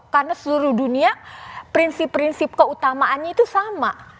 karena seluruh dunia prinsip prinsip keutamaannya itu sama